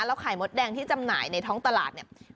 ไข่มดแดงที่จำหน่ายในท้องตลาดเนี่ย